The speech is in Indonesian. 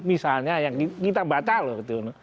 misalnya yang kita baca loh